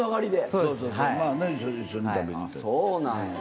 そうなんだ。